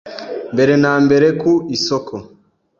mbere na mbere ku isoko